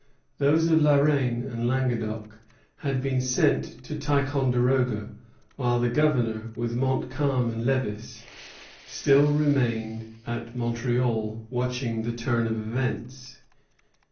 Those of La Reine and Languedoc had been sent to Ticonderoga, while the Governor, with Montcalm and Lévis, still remained at Montreal watching the turn of events.